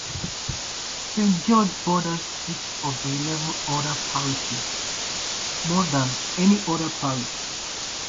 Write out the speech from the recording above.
Saint George borders six of the eleven other parishes, more than any other parish.